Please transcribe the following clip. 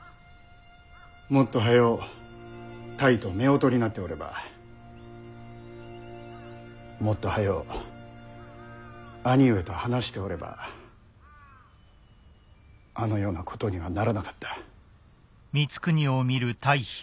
もっと早う泰と夫婦になっておればもっと早う兄上と話しておればあのようなことにはならなかった。